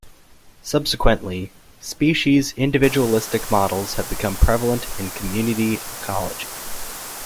Subsequently, 'species-individualistic' models have become prevalent in community ecology.